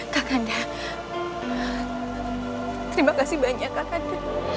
kakanda terima kasih banyak kakanda